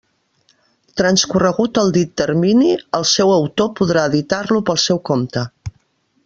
Transcorregut el dit termini, el seu autor podrà editar-lo pel seu compte.